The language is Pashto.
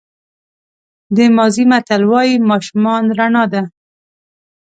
د مازی متل وایي ماشومان رڼا ده.